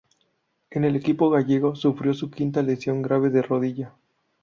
En el equipo gallego sufrió su quinta lesión grave de rodilla.